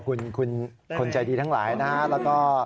คุณคนใจดีทั้งหลายนะฮะแล้วก็